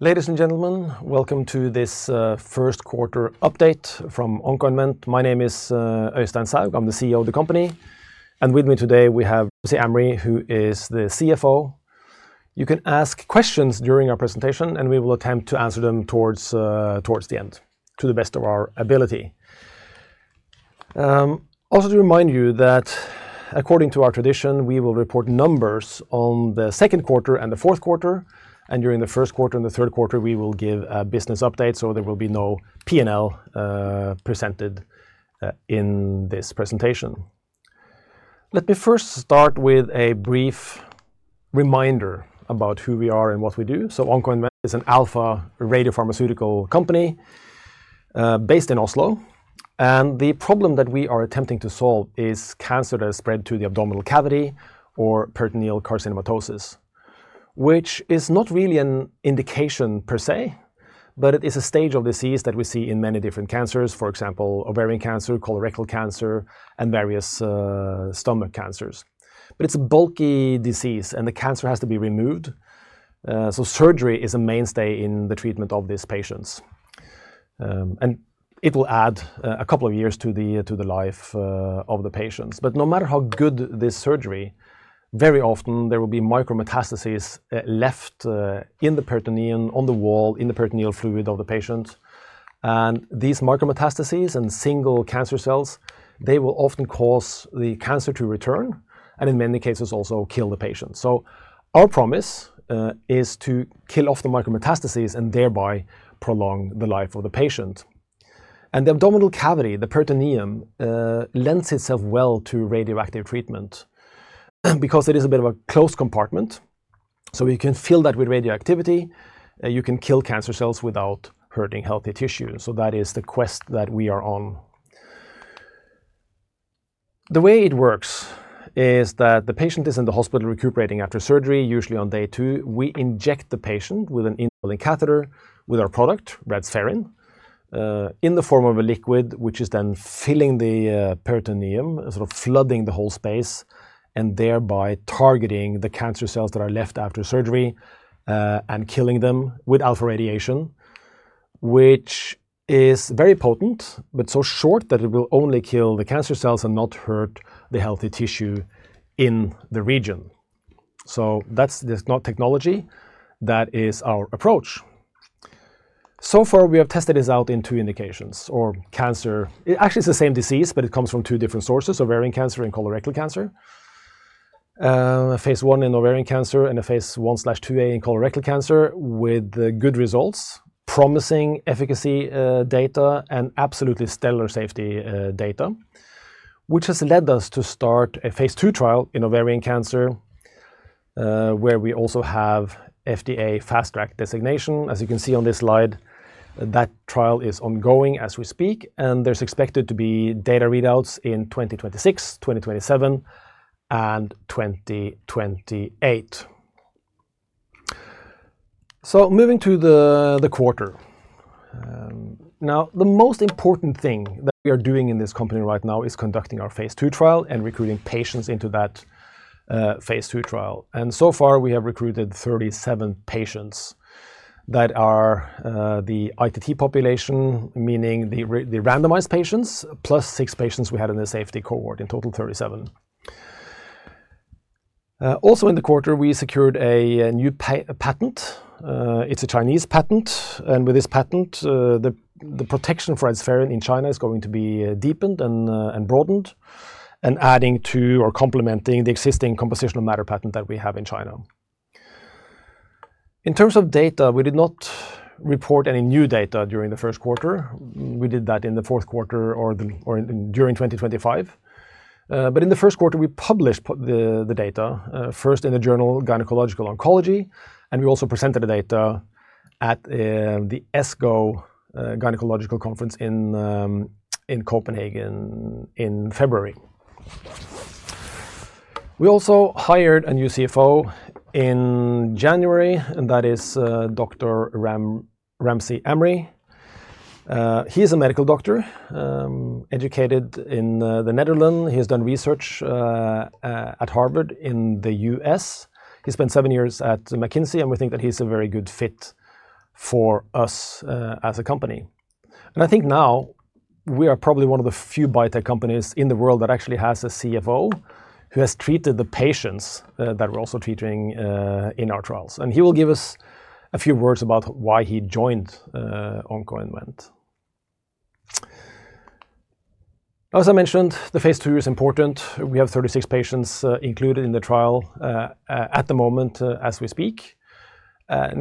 Ladies and gentlemen, welcome to this first quarter update from Oncoinvent. My name is Øystein Soug. I'm the CEO of the company. With me today we have Amri, who is the CFO. You can ask questions during our presentation. We will attempt to answer them towards the end to the best of our ability. Also to remind you that according to our tradition, we will report numbers on the second quarter and the fourth quarter. During the first quarter and the third quarter, we will give a business update. There will be no P&L presented in this presentation. Let me first start with a brief reminder about who we are and what we do. Oncoinvent is an alpha radiopharmaceutical company, based in Oslo, and the problem that we are attempting to solve is cancer that has spread to the abdominal cavity or peritoneal carcinomatosis, which is not really an indication per se, but it is a stage of disease that we see in many different cancers, for example, ovarian cancer, colorectal cancer, and various stomach cancers. It's a bulky disease, and the cancer has to be removed, surgery is a mainstay in the treatment of these patients. It will add a couple of years to the life of the patients. No matter how good this surgery, very often there will be micrometastases left in the peritoneum, on the wall, in the peritoneal fluid of the patient. These micrometastases and single cancer cells, they will often cause the cancer to return and in many cases also kill the patient. Our promise is to kill off the micrometastases and thereby prolong the life of the patient. The abdominal cavity, the peritoneum, lends itself well to radioactive treatment because it is a bit of a closed compartment. We can fill that with radioactivity. You can kill cancer cells without hurting healthy tissue. That is the quest that we are on. The way it works is that the patient is in the hospital recuperating after surgery, usually on day two. We inject the patient with an indwelling catheter with our product, Radspherin, in the form of a liquid, which is then filling the peritoneum, sort of flooding the whole space, and thereby targeting the cancer cells that are left after surgery, and killing them with alpha radiation, which is very potent but so short that it will only kill the cancer cells and not hurt the healthy tissue in the region. That's this, not technology. That is our approach. Far, we have tested this out in two indications or actually it's the same disease, but it comes from two different sources, ovarian cancer and colorectal cancer. Phase I in ovarian cancer and a phase I/II-A in colorectal cancer with good results, promising efficacy data, and absolutely stellar safety data, which has led us to start a phase II trial in ovarian cancer, where we also have FDA Fast Track designation. As you can see on this slide, that trial is ongoing as we speak, there's expected to be data readouts in 2026, 2027, and 2028. Moving to the quarter. Now, the most important thing that we are doing in this company right now is conducting our phase II trial and recruiting patients into that phase II trial. So far, we have recruited 37 patients that are the ITT population, meaning the randomized patients, plus six patients we had in the safety cohort, in total 37. Also in the quarter, we secured a new patent. It's a Chinese patent. With this patent, the protection for Radspherin in China is going to be deepened and broadened and adding to or complementing the existing composition of matter patent that we have in China. In terms of data, we did not report any new data during the first quarter. We did that in the fourth quarter during 2025. In the first quarter, we published the data first in the journal Gynecologic Oncology, and we also presented the data at the ESGO Gynecologic Conference in Copenhagen in February. We also hired a new CFO in January, and that is Dr. Ramzi Amri. He's a medical doctor, educated in the Netherlands. He has done research at Harvard University in the U.S. He spent seven years at McKinsey. We think that he's a very good fit for us as a company. I think now we are probably one of the few biotech companies in the world that actually has a CFO who has treated the patients that we're also treating in our trials. He will give us a few words about why he joined Oncoinvent. As I mentioned, the phase II is important. We have 36 patients included in the trial at the moment as we speak.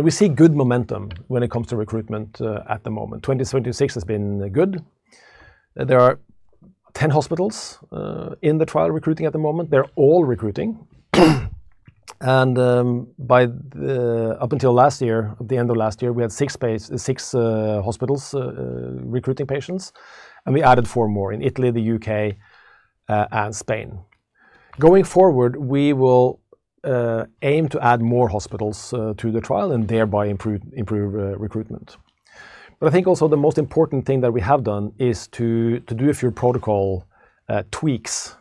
We see good momentum when it comes to recruitment at the moment. 2026 has been good. There are 10 hospitals in the trial recruiting at the moment. They're all recruiting. Up until last year, at the end of last year, we had six hospitals recruiting patients, and we added four more in Italy, the U.K., and Spain. Going forward, we will aim to add more hospitals to the trial and thereby improve recruitment. I think also the most important thing that we have done is to do a few protocol tweaks.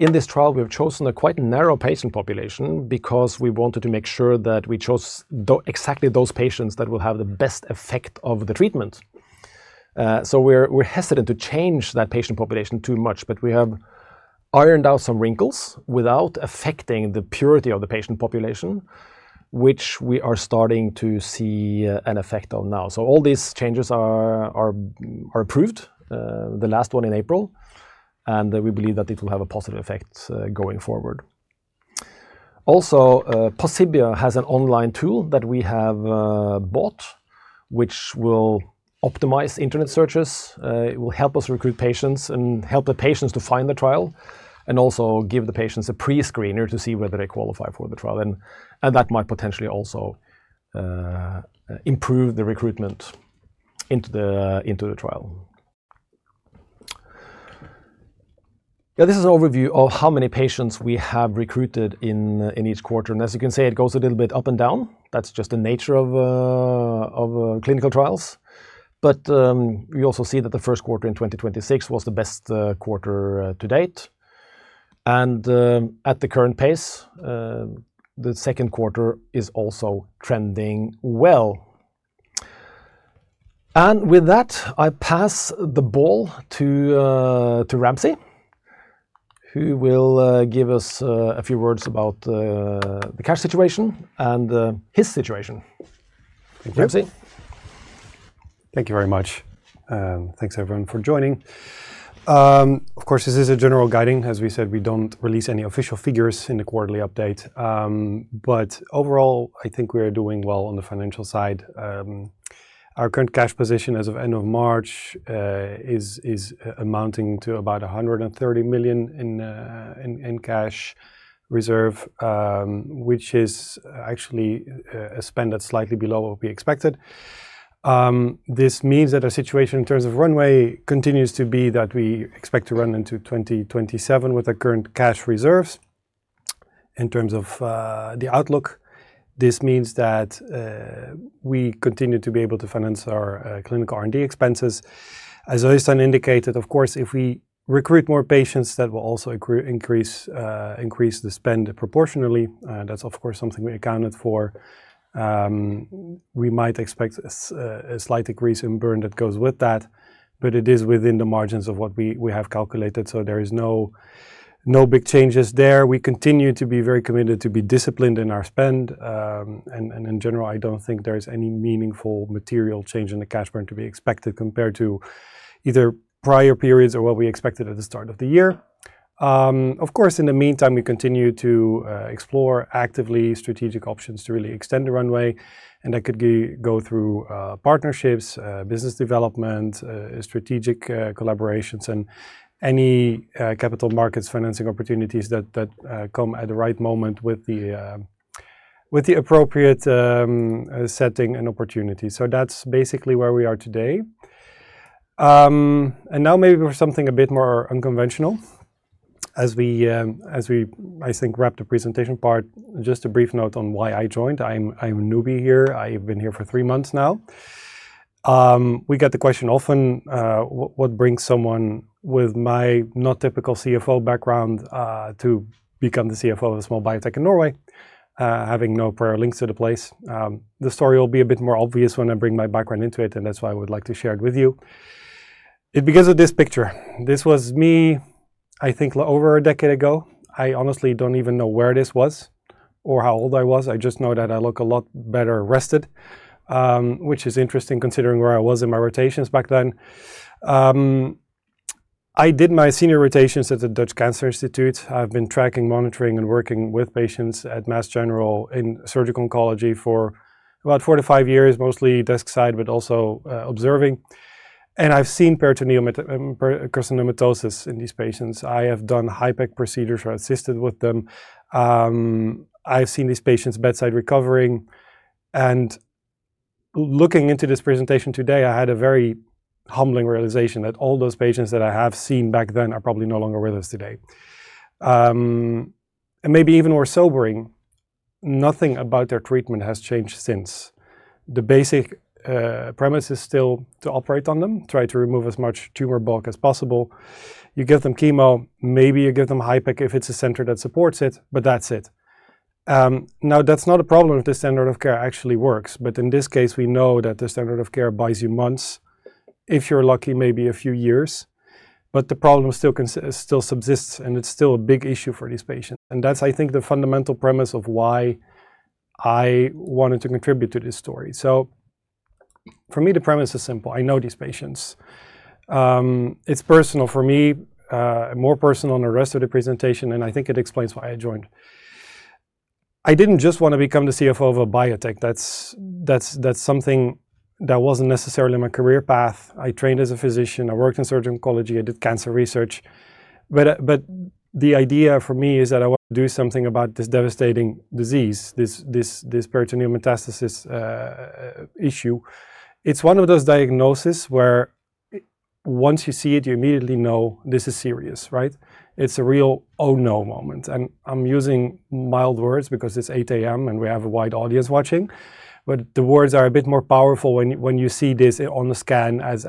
In this trial, we've chosen a quite narrow patient population because we wanted to make sure that we chose exactly those patients that will have the best effect of the treatment. We're hesitant to change that patient population too much, but we have ironed out some wrinkles without affecting the purity of the patient population, which we are starting to see an effect of now. All these changes are approved, the last one in April, and that we believe that it will have a positive effect going forward. Also, Possibia has an online tool that we have bought, which will optimize internet searches. It will help us recruit patients and help the patients to find the trial and also give the patients a pre-screener to see whether they qualify for the trial. That might potentially also improve the recruitment into the trial. This is an overview of how many patients we have recruited in each quarter. As you can see, it goes a little bit up and down. That's just the nature of clinical trials. We also see that the first quarter in 2026 was the best quarter to date. At the current pace, the second quarter is also trending well. With that, I pass the ball to Ramzi, who will give us a few words about the cash situation and his situation. Thank you, Ramzi. Thank you very much. Thanks everyone for joining. Of course, this is a general guiding. As we said, we don't release any official figures in the quarterly update. Overall, I think we are doing well on the financial side. Our current cash position as of end of March is amounting to about 130 million in cash reserve, which is actually a spend that's slightly below what we expected. This means that our situation in terms of runway continues to be that we expect to run into 2027 with our current cash reserves. In terms of the outlook, this means that we continue to be able to finance our clinical R&D expenses. As Øystein indicated, of course, if we recruit more patients, that will also increase the spend proportionally. That's of course something we accounted for. We might expect a slight decrease in burn that goes with that, but it is within the margins of what we have calculated, so there is no big changes there. We continue to be very committed to be disciplined in our spend. In general, I don't think there is any meaningful material change in the cash burn to be expected compared to either prior periods or what we expected at the start of the year. Of course, in the meantime, we continue to explore actively strategic options to really extend the runway, and that could go through partnerships, business development, strategic collaborations, and any capital markets financing opportunities that come at the right moment with the appropriate setting and opportunity. That's basically where we are today. Now maybe for something a bit more unconventional. As we, as we, I think, wrap the presentation part, just a brief note on why I joined. I'm a newbie here. I've been here for three months now. We get the question often, what brings someone with my not typical CFO background to become the CFO of a small biotech in Norway, having no prior links to the place. The story will be a bit more obvious when I bring my background into it, and that's why I would like to share it with you. It begins with this picture. This was me, I think, over a decade ago. I honestly don't even know where this was or how old I was. I just know that I look a lot better rested, which is interesting considering where I was in my rotations back then. I did my senior rotations at the Netherlands Cancer Institute. I've been tracking, monitoring, and working with patients at Massachusetts General in surgical oncology for about four to five years, mostly desk side, but also observing. I've seen peritoneal carcinomatosis in these patients. I have done HIPEC procedures or assisted with them. I've seen these patients bedside recovering. Looking into this presentation today, I had a very humbling realization that all those patients that I have seen back then are probably no longer with us today. Maybe even more sobering, nothing about their treatment has changed since. The basic premise is still to operate on them, try to remove as much tumor bulk as possible. You give them chemo, maybe you give them HIPEC if it's a center that supports it, but that's it. Now that's not a problem if the standard of care actually works. In this case, we know that the standard of care buys you months. If you're lucky, maybe a few years. The problem still subsists, and it's still a big issue for these patients. That's, I think, the fundamental premise of why I wanted to contribute to this story. For me, the premise is simple. I know these patients. It's personal for me, more personal than the rest of the presentation, and I think it explains why I joined. I didn't just want to become the CFO of a biotech. That's something that wasn't necessarily my career path. I trained as a physician. I worked in surgical oncology. I did cancer research. But the idea for me is that I want to do something about this devastating disease, this peritoneal metastasis issue. It's one of those diagnoses where, once you see it, you immediately know this is serious, right? It's a real oh no moment. I'm using mild words because it's 8:00 AM and we have a wide audience watching, but the words are a bit more powerful when you see this on the scan as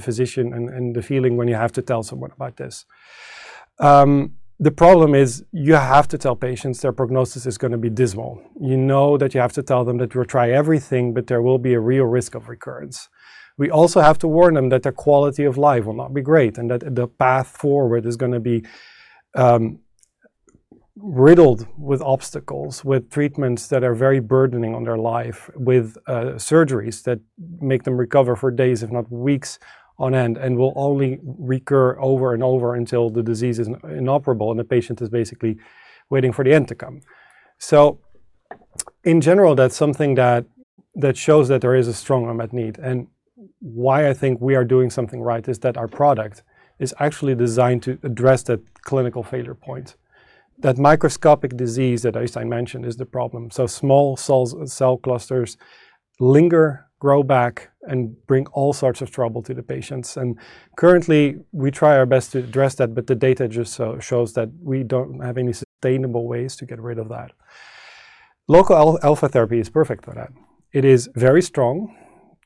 a physician, and the feeling when you have to tell someone about this. The problem is you have to tell patients their prognosis is gonna be dismal. You know that you have to tell them that you'll try everything, but there will be a real risk of recurrence. We also have to warn them that their quality of life will not be great, and that the path forward is going to be riddled with obstacles, with treatments that are very burdening on their life, with surgeries that make them recover for days, if not weeks on end, and will only recur over and over until the disease is inoperable and the patient is basically waiting for the end to come. In general, that's something that shows that there is a strong unmet need. Why I think we are doing something right is that our product is actually designed to address that clinical failure point. That microscopic disease that Øystein mentioned is the problem, so small cells, cell clusters linger, grow back, and bring all sorts of trouble to the patients. Currently we try our best to address that, but the data just shows that we don't have any sustainable ways to get rid of that. Local alpha therapy is perfect for that. It is very strong,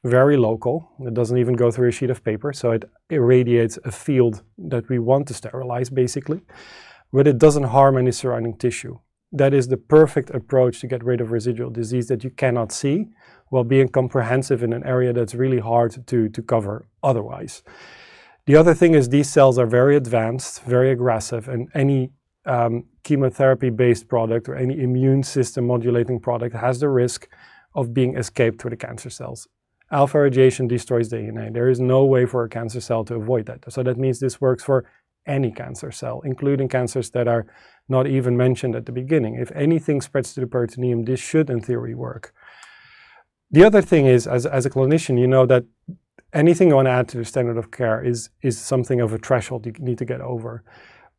very local. It doesn't even go through a sheet of paper, so it irradiates a field that we want to sterilize basically, but it doesn't harm any surrounding tissue. That is the perfect approach to get rid of residual disease that you cannot see while being comprehensive in an area that's really hard to cover otherwise. The other thing is these cells are very advanced, very aggressive, and any chemotherapy-based product or any immune system modulating product has the risk of being escaped through the cancer cells. Alpha radiation destroys the DNA. There is no way for a cancer cell to avoid that. That means this works for any cancer cell, including cancers that are not even mentioned at the beginning. If anything spreads to the peritoneum, this should in theory work. The other thing is as a clinician, you know that anything you wanna add to the standard of care is something of a threshold you need to get over.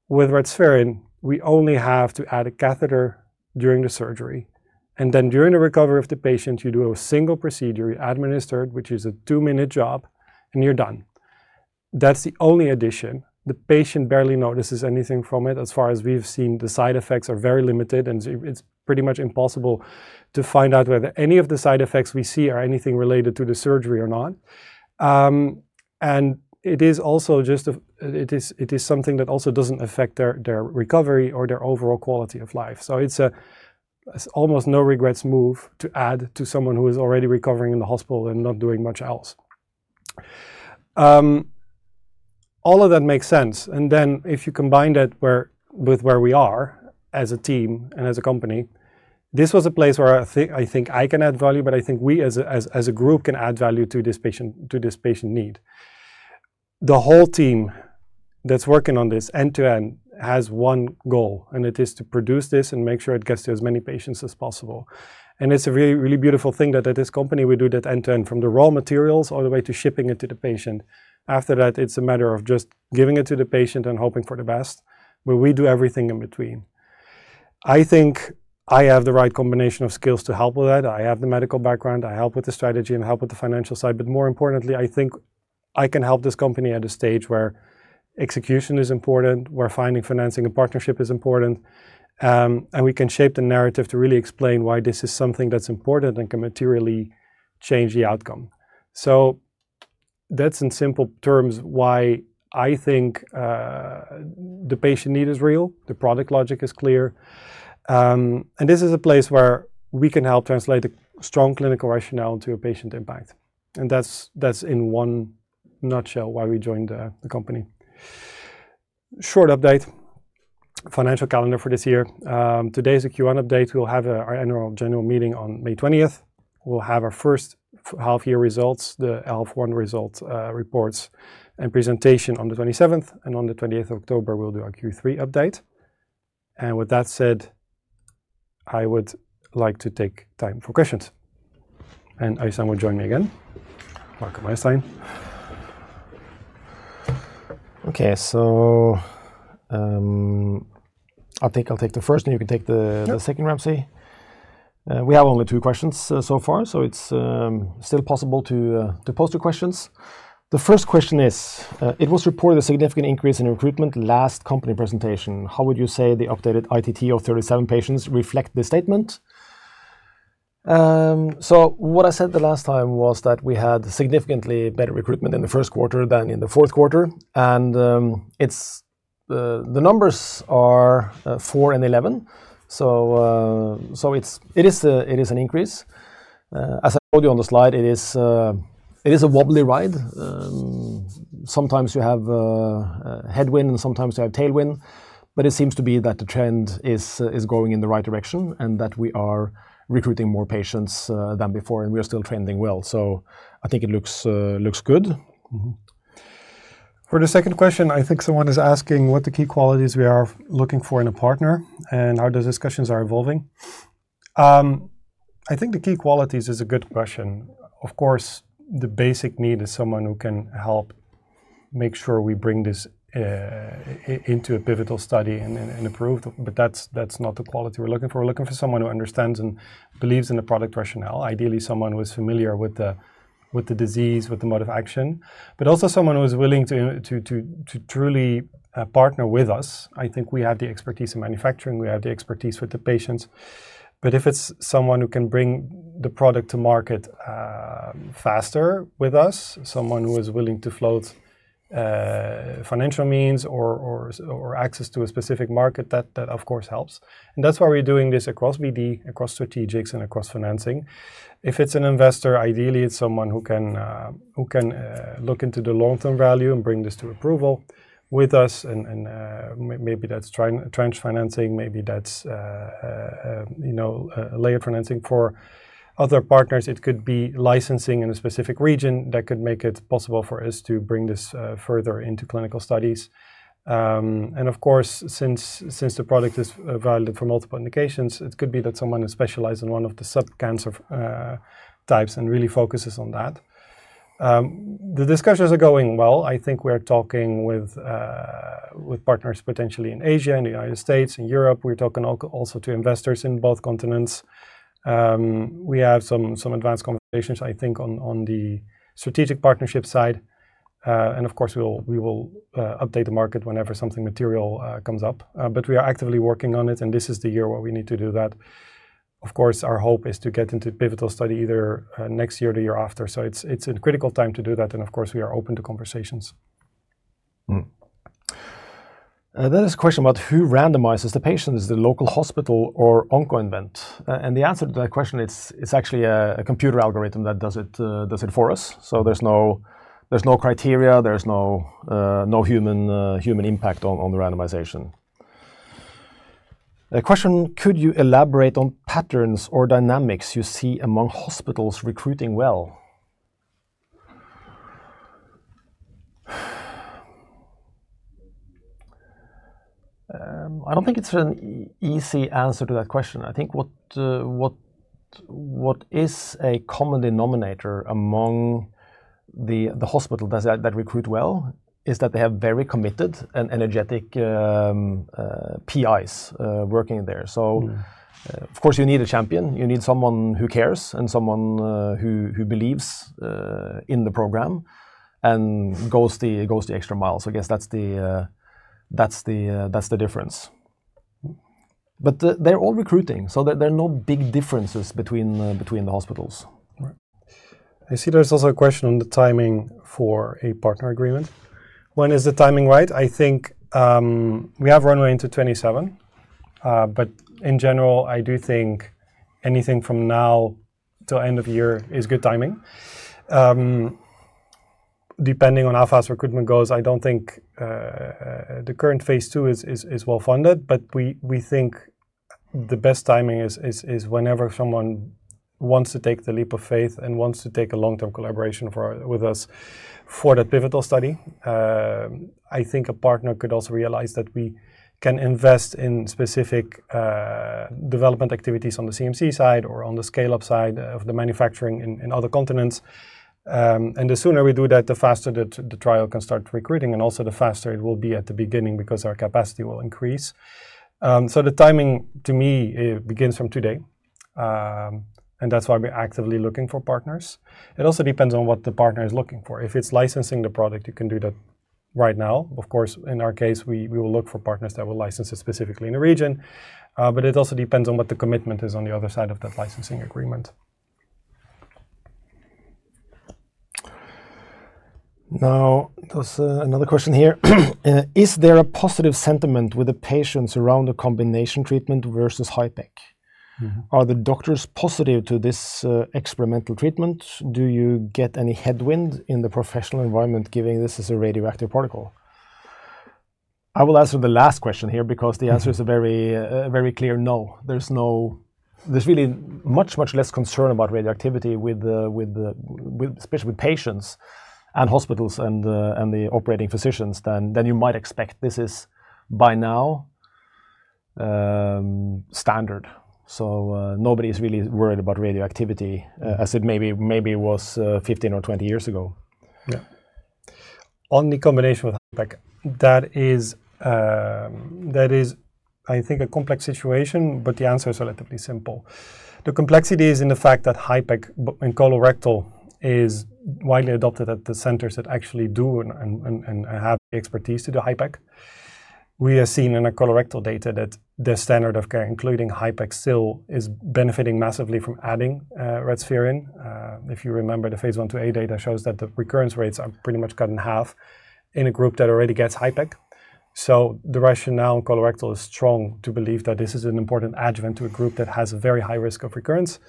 With Radspherin, we only have to add a catheter during the surgery, and then during the recovery of the patient, you do a single procedure administered, which is a two-minute job, and you're done. That's the only addition. The patient barely notices anything from it. As far as we've seen, the side effects are very limited and it's pretty much impossible to find out whether any of the side effects we see are anything related to the surgery or not. It is something that also doesn't affect their recovery or their overall quality of life. It's almost no regrets move to add to someone who is already recovering in the hospital and not doing much else. All of that makes sense. If you combine that with where we are as a team and as a company, this was a place where I think I can add value, but I think we as a group can add value to this patient need. The whole team that's working on this end to end has one goal, and it is to produce this and make sure it gets to as many patients as possible. It's a really, really beautiful thing that at this company we do that end to end from the raw materials all the way to shipping it to the patient. After that, it's a matter of just giving it to the patient and hoping for the best where we do everything in between. I think I have the right combination of skills to help with that. I have the medical background. I help with the strategy and help with the financial side. More importantly, I think I can help this company at a stage where execution is important, where finding financing and partnership is important, and we can shape the narrative to really explain why this is something that's important and can materially change the outcome. That's in simple terms why I think the patient need is real, the product logic is clear, and this is a place where we can help translate a strong clinical rationale to a patient impact. That's in one nutshell why we joined the company. Short update, financial calendar for this year. Today's a Q1 update. We'll have our annual general meeting on May 20th. We'll have our first half year results, the H1 results, reports and presentation on the 27th. On the 28th October, we'll do our Q3 update. With that said, I would like to take time for questions, and Øystein will join me again. Welcome, Øystein. Okay. I'll take the first and you can take the. Yeah... the second, Ramzi. We have only two questions so far, so it's still possible to pose the questions. The first question is, it was reported a significant increase in recruitment last company presentation. How would you say the updated ITT of 37 patients reflect this statement? What I said the last time was that we had significantly better recruitment in the first quarter than in the fourth quarter. It's. The numbers are four and 11. It's an increase. As I told you on the slide, it is a wobbly ride. Sometimes you have a headwind and sometimes you have tailwind, but it seems to be that the trend is going in the right direction and that we are recruiting more patients than before, and we are still trending well. I think it looks good. For the second question, I think someone is asking what the key qualities we are looking for in a partner and how those discussions are evolving. I think the key qualities is a good question. Of course, the basic need is someone who can help make sure we bring this into a pivotal study and approved, but that's not the quality we're looking for. We're looking for someone who understands and believes in the product rationale. Ideally, someone who is familiar with the disease, with the mode of action, but also someone who is willing to truly partner with us. I think we have the expertise in manufacturing. We have the expertise with the patients. If it's someone who can bring the product to market, faster with us, someone who is willing to float financial means or access to a specific market, that of course helps. That's why we're doing this across BD, across strategics, and across financing. If it's an investor, ideally it's someone who can, who can look into the long-term value and bring this to approval with us. Maybe that's tranche financing, maybe that's a, you know, a layer of financing for other partners. It could be licensing in a specific region that could make it possible for us to bring this further into clinical studies. Of course, since the product is valid for multiple indications, it could be that someone who specialize in one of the subcancer types and really focuses on that. The discussions are going well. I think we're talking with partners potentially in Asia, in the United States, in Europe. We're talking also to investors in both continents. We have some advanced conversations I think on the strategic partnership side. Of course, we will update the market whenever something material comes up. We are actively working on it, and this is the year where we need to do that. Of course, our hope is to get into pivotal study either next year or the year after. It's a critical time to do that, and of course, we are open to conversations. This question about who randomizes the patients, the local hospital or Oncoinvent. The answer to that question, it's actually a computer algorithm that does it for us. There's no criteria, there's no human impact on the randomization. A question, could you elaborate on patterns or dynamics you see among hospitals recruiting well? I don't think it's an easy answer to that question. I think what is a common denominator among the hospital does that recruit well is that they have very committed and energetic PIs working there. Mm-hmm.... of course, you need a champion. You need someone who cares and someone who believes in the program and goes the extra mile. I guess that's the difference. They're all recruiting, there are no big differences between the hospitals. Right. I see there's also a question on the timing for a partner agreement. When is the timing right? I think, we have runway into 2027. In general, I do think anything from now to end of year is good timing. Depending on how fast recruitment goes, I don't think, the current phase II is well funded. We think the best timing is whenever someone wants to take the leap of faith and wants to take a long-term collaboration with us for that pivotal study. I think a partner could also realize that we can invest in specific, development activities on the CMC side or on the scale-up side of the manufacturing in other continents. The sooner we do that, the faster the trial can start recruiting, and also the faster it will be at the beginning because our capacity will increase. The timing to me, it begins from today. That's why we're actively looking for partners. It also depends on what the partner is looking for. If it's licensing the product, you can do that right now. Of course, in our case, we will look for partners that will license it specifically in a region. It also depends on what the commitment is on the other side of that licensing agreement. There's another question here. Is there a positive sentiment with the patients around the combination treatment versus HIPEC? Mm-hmm. Are the doctors positive to this experimental treatment? Do you get any headwind in the professional environment giving this as a radioactive particle? I will answer the last question here. Mm-hmm.... is a very clear no. There's really much less concern about radioactivity with the, especially with patients and hospitals and the operating physicians than you might expect. This is by now standard. Nobody is really worried about radioactivity, as it maybe was 15 or 20 years ago. Yeah. On the combination with HIPEC, that is I think a complex situation, but the answer is relatively simple. The complexity is in the fact that HIPEC in colorectal is widely adopted at the centers that actually do and have the expertise to do HIPEC. We have seen in a colorectal data that the standard of care, including HIPEC, still is benefiting massively from adding Radspherin. If you remember, the phase I/II-A data shows that the recurrence rates are pretty much cut in half in a group that already gets HIPEC. The rationale in colorectal is strong to believe that this is an important adjuvant to a group that has a very high risk of recurrence.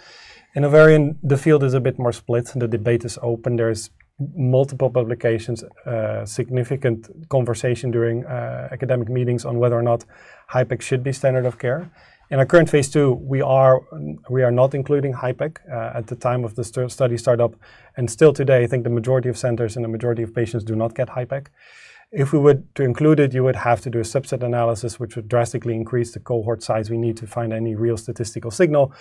In ovarian, the field is a bit more split, and the debate is open. There's multiple publications, significant conversation during academic meetings on whether or not HIPEC should be standard of care. In our current phase II, we are not including HIPEC at the time of the study startup. Still today, I think the majority of centers and the majority of patients do not get HIPEC. If we were to include it, you would have to do a subset analysis, which would drastically increase the cohort size we need to find any real statistical signal.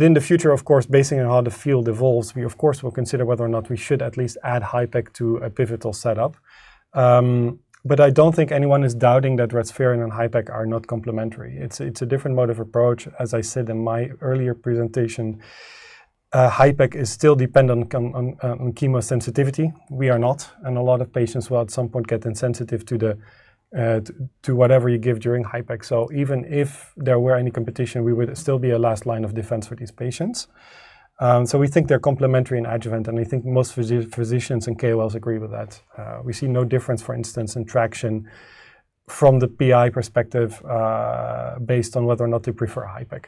In the future, of course, basing on how the field evolves, we of course will consider whether or not we should at least add HIPEC to a pivotal setup. I don't think anyone is doubting that Radspherin and HIPEC are not complementary. It's a different mode of approach. As I said in my earlier presentation, HIPEC is still dependent on chemo sensitivity. We are not, a lot of patients will at some point get insensitive to whatever you give during HIPEC. Even if there were any competition, we would still be a last line of defense for these patients. We think they're complementary and adjuvant, I think most physicians and KOLs agree with that. We see no difference, for instance, in traction from the PI perspective, based on whether or not they prefer HIPEC.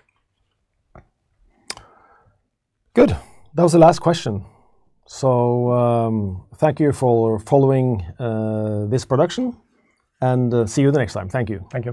Good. That was the last question. Thank you for following, this production, and, see you the next time. Thank you. Thank you.